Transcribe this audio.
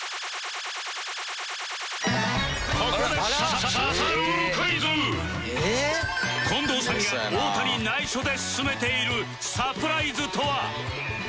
ここで近藤さんが太田に内緒で進めているサプライズとは？